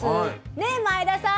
ね前田さん！